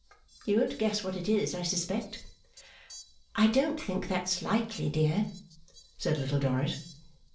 You won't guess what it is, I suspect.' 'I don't think that's likely, dear,' said Little Dorrit.